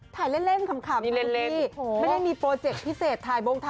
ถ่ายเล่นขำนะครับพี่ไม่ได้มีโปรเจคพิเศษถ่ายโบง